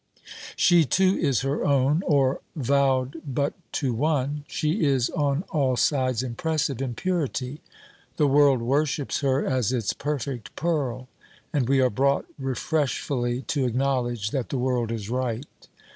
She too is her own: or vowed but to one. She is on all sides impressive in purity. The world worships her as its perfect pearl: and we are brought refreshfully to acknowledge that the world is right.